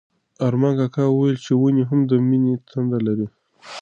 ارمان کاکا وویل چې ونې هم د مینې تنده لري.